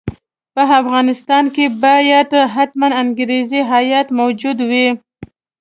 په افغانستان کې باید حتماً انګریزي هیات موجود وي.